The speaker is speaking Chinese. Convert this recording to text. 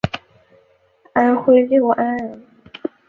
安徽六安人。